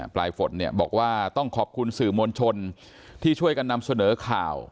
ปลายฝนเนี่ยบอกว่าต้องขอบคุณสื่อมวลชนที่ช่วยกันนำเสนอข่าว